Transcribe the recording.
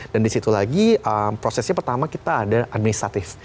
dan disitu lagi prosesnya pertama kita ada administratif